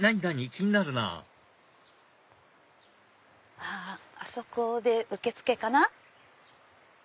気になるなぁあそこで受け付けかな。